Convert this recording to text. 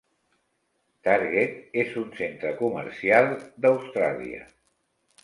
Target és un centre comercial d'Austràlia.